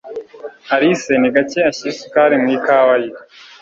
Alice ni gake ashyira isukari mu ikawa ye.